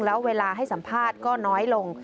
แล้วเวลาให้สัมภาษณ์ก็น้อยลง